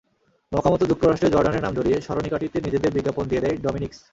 মওকামতো যুক্তরাষ্ট্রের জর্ডানের নাম জড়িয়ে স্মরণিকাটিতে নিজেদের বিজ্ঞাপন দিয়ে দেয় ডমিনিকস।